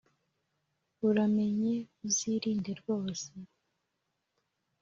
uramenye uzirinde rwose